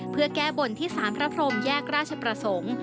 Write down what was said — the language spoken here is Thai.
เพื่อแก้บนที่สารพระพรมแยกราชประสงค์